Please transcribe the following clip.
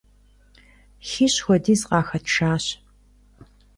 ХищӀ хуэдиз къахэтшащ.